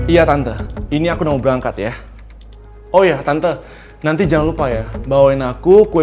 iya tante ini aku mau berangkat ya oh ya tante nanti jangan lupa ya bawain aku kue